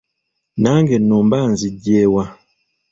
Nange nno mba nzigye wa?